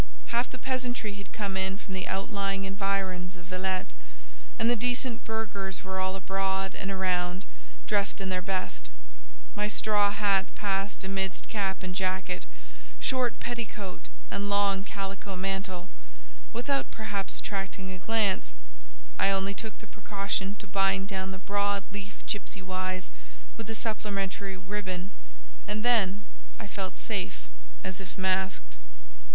Half the peasantry had come in from the outlying environs of Villette, and the decent burghers were all abroad and around, dressed in their best. My straw hat passed amidst cap and jacket, short petticoat, and long calico mantle, without, perhaps, attracting a glance; I only took the precaution to bind down the broad leaf gipsy wise, with a supplementary ribbon—and then I felt safe as if masked.